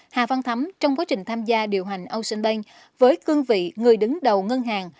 hà văn thắm trong quá trình tham gia điều hành ocean bank với cương vị người đứng đầu ngân hàng